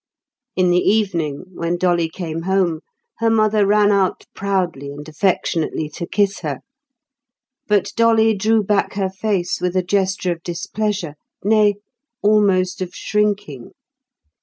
In the evening, when Dolly came home, her mother ran out proudly and affectionately to kiss her. But Dolly drew back her face with a gesture of displeasure, nay, almost of shrinking.